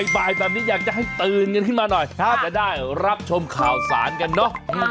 บ่ายแบบนี้อยากจะให้ตื่นกันขึ้นมาหน่อยจะได้รับชมข่าวสารกันเนอะ